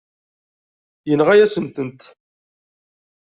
Yenɣa-yasent-tent.